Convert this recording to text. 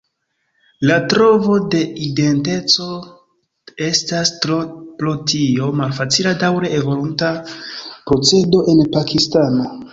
La trovo de identeco estas pro tio malfacila daŭre evoluanta procedo en Pakistano.